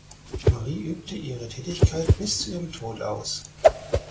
Marie übte ihre Tätigkeit bis zu ihrem Tod aus.